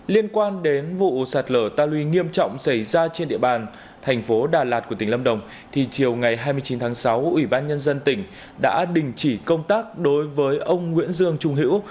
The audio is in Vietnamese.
liên quan đến vụ sạt lở ta luy nghiêm trọng xảy ra trên địa bàn thành phố đà lạt của tỉnh lâm đồng thì chiều ngày hai mươi chín tháng sáu ủy ban nhân dân tỉnh đã đình chỉ công tác đối với ông nguyễn dương trung hữu